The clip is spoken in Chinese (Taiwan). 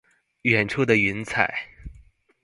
遠處的雲彩